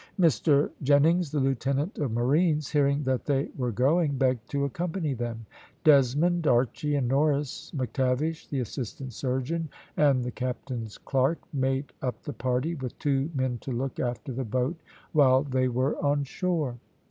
Mr Jennings, the lieutenant of marines, hearing that they were going, begged to accompany them. Desmond, Archy, and Norris, McTavish, the assistant surgeon, and the captain's clerk, made up the party, with two men to look after the boat while they were on shore.